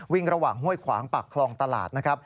วิ่งระหว่างห้วยขวางปากคลองตลาดนะครับ